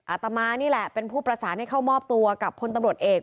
อาตมานี่แหละเป็นผู้ประสานให้เข้ามอบตัวกับพลตำรวจเอก